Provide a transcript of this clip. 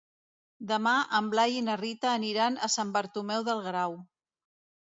Demà en Blai i na Rita aniran a Sant Bartomeu del Grau.